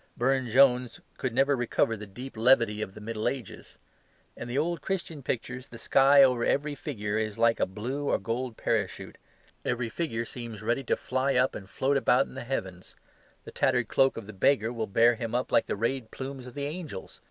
Burne Jones could never recover the deep levity of the Middle Ages. In the old Christian pictures the sky over every figure is like a blue or gold parachute. Every figure seems ready to fly up and float about in the heavens. The tattered cloak of the beggar will bear him up like the rayed plumes of the angels.